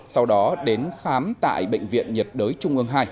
sau đó đến khám tại bệnh viện nhiệt đới trung ương hai